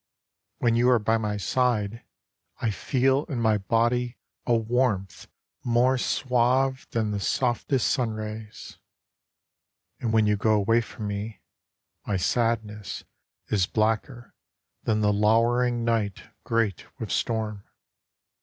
When you are by my side, I feel in my body A warmth more suave than the softest sun^rays. And when you go away from me, my sadness Is blacker than the lowering night great with storm.